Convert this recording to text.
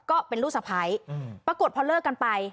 ก็เป็นลูกสะพ้ายปรากฏพอเลิกกันไป